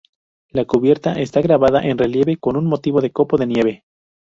La cubierta está grabada en relieve con un motivo de copo de nieve.